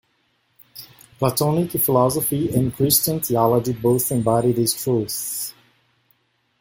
Platonic Philosophy and Christian theology both embody this truth.